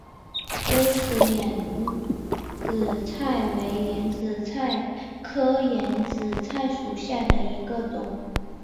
微齿眼子菜为眼子菜科眼子菜属下的一个种。